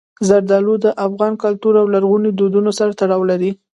زردالو د افغان کلتور او لرغونو دودونو سره تړاو لري.